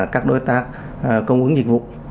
các đối tác công ứng dịch vụ